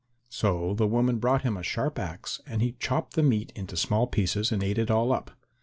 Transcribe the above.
So the woman brought him a sharp axe and he chopped the meat into small pieces and ate it all up.